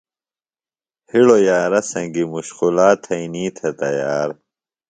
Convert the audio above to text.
ہِڑوۡ یارہ سنگیۡ مشقولا تھئنی تھے تیار۔